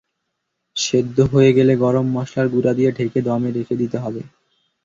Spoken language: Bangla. সেদ্ধ হয়ে গেলে গরম মসলার গুঁড়া দিয়ে ঢেকে দমে রেখে দিতে হবে।